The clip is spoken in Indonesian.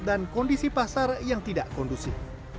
dan kondisi pasar yang tidak kondusif